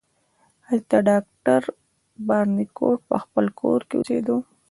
هلته ډاکټر بارنیکوټ په خپل کور کې اوسیده.